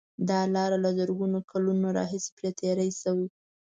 دا لاره له زرګونو کلونو راهیسې پرې تېر شوي.